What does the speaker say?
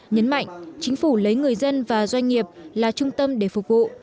nhấn mạnh chính phủ lấy người dân và doanh nghiệp là trung tâm để phục vụ